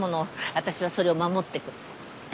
私はそれを守ってく。